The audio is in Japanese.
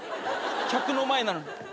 客の前なのに。